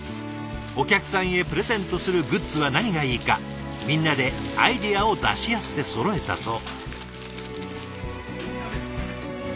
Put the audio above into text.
お客さんへプレゼントするグッズは何がいいかみんなでアイデアを出し合ってそろえたそう。